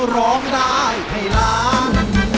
ร้องได้ให้ล้าน